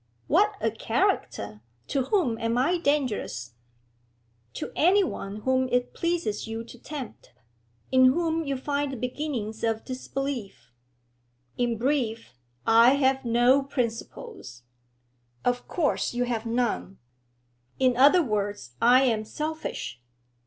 'What a character! To whom am I dangerous?' 'To anyone whom it pleases you to tempt, in whom you find the beginnings of disbelief.' 'In brief, I have no principles?' 'Of course you have none.' 'In other words, I am selfish?'